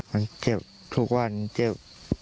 มันเจ็บทุกวันเจ็บ